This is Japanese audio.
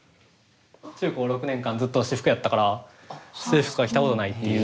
中高６年間ずっと私服やったから制服は着たことないっていう。